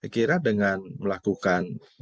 kira dengan melakukan